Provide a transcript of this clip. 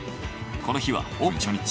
この日はオープン初日。